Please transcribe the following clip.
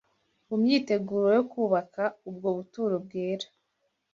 Mu myiteguro yo kubaka ubwo buturo bwera